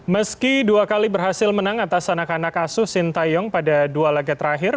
meski dua kali berhasil menang atas anak anak asuh sintayong pada dua laga terakhir